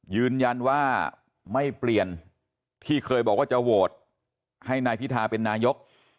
ยืนยันว่าไม่เปลี่ยนที่เคยบอกว่าจะโหวตให้นายพิธาเป็นนายก